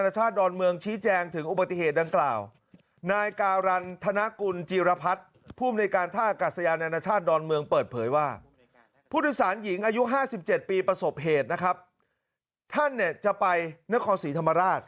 ท่านเนี่ยจะไปเนื้อครรภ์ศรีธรรมราช